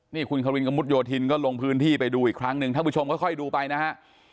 นี่คุณควินกระมุดโยธินก็ลงพื้นที่ไปดูอีกครั้งหนึ่งท่านผู้ชมค่อยดูไปนะฮะ